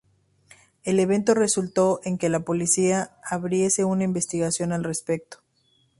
El evento resultó en que la policía abriese una investigación al respecto.